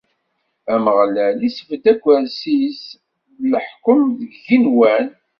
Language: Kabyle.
Ameɣlal isbedd akersi-s n leḥkem deg yigenwan.